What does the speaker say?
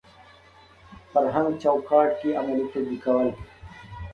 فرهنګ چوکاټ کې عملي تطبیقول دي.